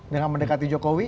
dengan mendekati jokowi